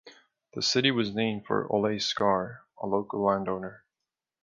The city was named for Ole Scar, a local landowner.